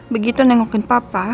begitu nengokin papa